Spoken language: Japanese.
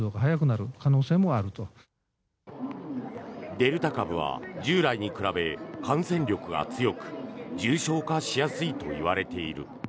デルタ株は従来に比べ感染力が強く重症化しやすいといわれている。